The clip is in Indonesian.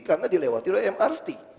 karena dilewati oleh mrt